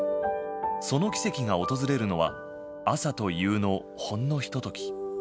その奇跡が訪れるのは朝と夕の、ほんのひととき。